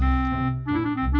gak tau ibaratnya enak begini